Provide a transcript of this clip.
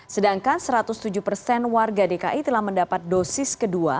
sedangkan satu ratus tujuh persen warga dki telah mendapat dosis kedua